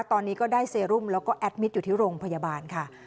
ตอนนี้ก็ได้เซรุมแล้วก็แอดมิตรอยู่ที่โรงพยาบาลค่ะ